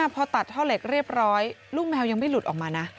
พอตัดท่อเหล็กเรียบร้อยลูกแมวยังไม่หลุดออกมานะ